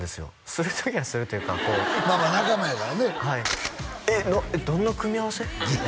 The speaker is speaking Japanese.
する時はするというかまあまあ仲間やからねはいえっどんな組み合わせ？